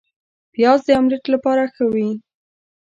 پیاز د املیټ لپاره ښه وي